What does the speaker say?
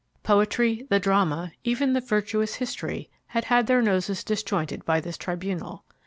Poetry, the Drama, even the virtuous History, had had their noses disjointed by this tribunal.